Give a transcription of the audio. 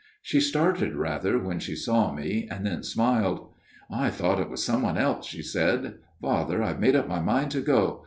She started rather when she saw me and then smiled. ' I thought it was some one else/ she said. ' Father, I have made up my mind to go.